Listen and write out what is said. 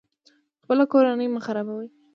خپله کورنۍ مه خرابوئ